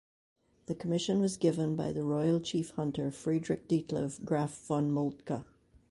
The commission was given by the royal chief hunter Friedrich Detlev Graf von Moltke.